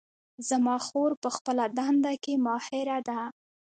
زما خور په خپله دنده کې ماهره ده